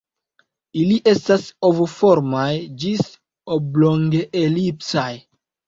Ili estas ovoformaj ĝis oblonge-elipsaj.